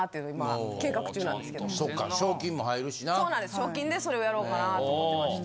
賞金でそれをやろうかなと思ってまして。